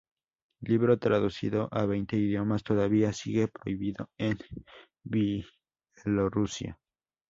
Libro traducido a veinte idiomas, todavía sigue prohibido en Bielorrusia.